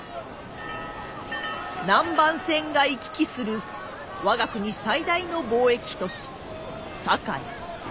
南蛮船が行き来する我が国最大の貿易都市堺。